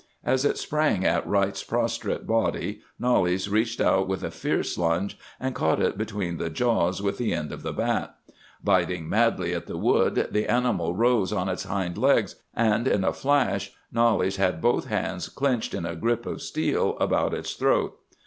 As it sprang at Wright's prostrate body Knollys reached out with a fierce lunge, and caught it between the jaws with the end of the bat. Biting madly at the wood, the animal rose on its hind legs, and in a flash Knollys had both hands clenched in a grip of steel about its throat.